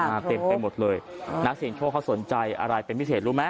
เต็มไปหมดเลยนักเสียงโชคเขาสนใจอะไรเป็นพิเศษรู้ไหม